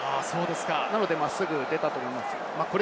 なので真っすぐ出たと思います。